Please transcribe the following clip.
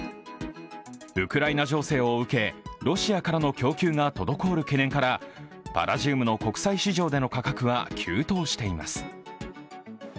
ウクライナ情勢を受け、ロシアからの供給が滞る懸念からパラジウムの国際市場での価格は急騰しています。